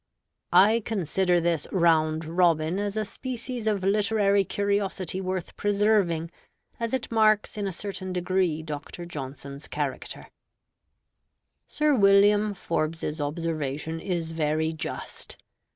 "I consider this 'Round Robin' as a species of literary curiosity worth preserving, as it marks in a certain degree Dr. Johnson's character."... Sir William Forbes's observation is very just.